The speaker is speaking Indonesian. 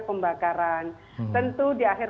pembakaran tentu di akhir